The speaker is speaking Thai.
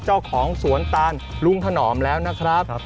เจ้าของสวนตาลลุงถนอมแล้วนะครับ